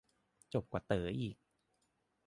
จบกว่าเต๋ออีก